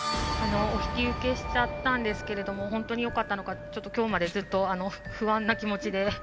お引き受けしちゃったんですけれどもホントによかったのか今日までずっと不安な気持ちで。